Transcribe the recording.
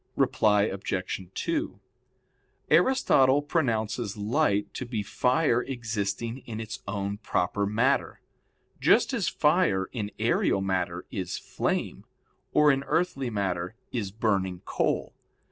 Reply Obj. 2: Aristotle pronounces light to be fire existing in its own proper matter: just as fire in aerial matter is "flame," or in earthly matter is "burning coal."